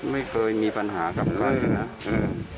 ไม่เคยมีปัญหากับมันเลยนะ